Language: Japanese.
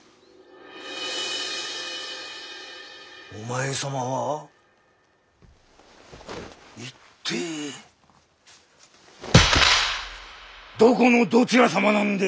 お前様は一体どこのどちら様なんで？